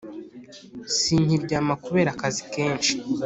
Sinkiryama kubera akazi keshi